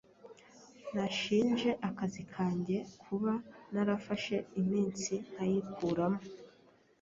Nashinje akazi kanjye kuba narafashe imitsi nkayikuramo